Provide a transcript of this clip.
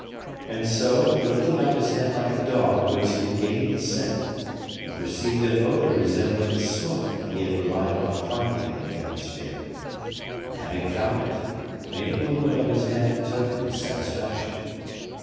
And so, lifting up his head like a dog who has regained the scent, he perceived an odor resembling smoke he had relied on finding in the atmosphere, and having found it, made a movement of his head in token of satisfaction.